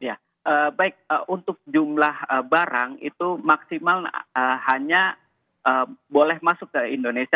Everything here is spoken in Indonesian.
ya baik untuk jumlah barang itu maksimal hanya boleh masuk ke indonesia